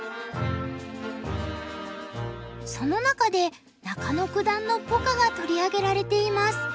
その中で中野九段のポカが取り上げられています。